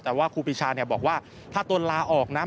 แต่ว่าครูปีชาบอกว่าถ้าตนลาออกนะ